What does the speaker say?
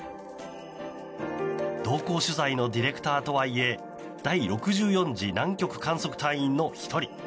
同行取材のディレクターとはいえ第６４次南極観測隊員の１人。